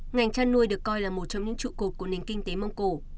ngành chăn nuôi được coi là một trong những trụ cột của nền kinh tế mông cổ